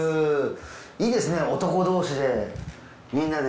いいですね男同士でみんなで。